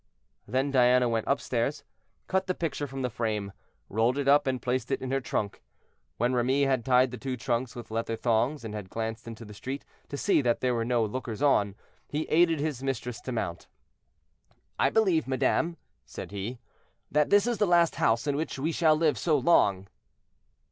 Then Diana went upstairs, cut the picture from the frame, rolled it up, and placed it in her trunk. When Remy had tied the two trunks with leather thongs, and had glanced into the street to see that there were no lookers on, he aided his mistress to mount. "I believe, madame," said he, "that this is the last house in which we shall live so long."